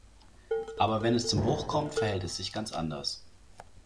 Aber wenn es zum Bruch kommt, verhält es sich ganz anders.